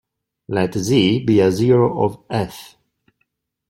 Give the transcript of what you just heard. Let "z" be a zero of "f".